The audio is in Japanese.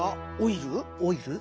オイル？